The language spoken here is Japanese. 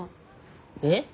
えっ？